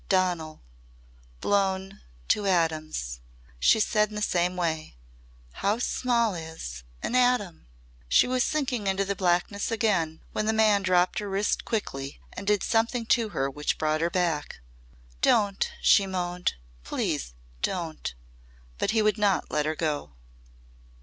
"Donal! Blown to atoms," she said in the same way. "How small is an atom?" She was sinking into the blackness again when the man dropped her wrist quickly and did something to her which brought her back. "Don't!" she moaned. "Please don't." But he would not let her go.